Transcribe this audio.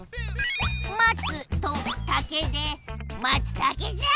「まつ」と「たけ」でまつたけじゃ！